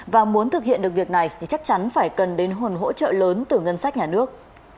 và muốn thực hiện được việc này thì chắc chắn phải cần đến nguồn hỗ trợ lớn từ ngân sách nhà nước